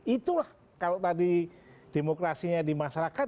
itulah kalau tadi demokrasinya di masyarakat